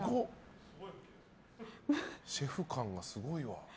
シェフ感がすごいわ。